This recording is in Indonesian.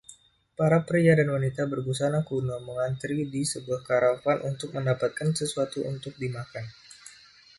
Para pria dan wanita berbusana kuno mengantre di sebuah karavan untuk mendapatkan sesuatu untuk dimakan.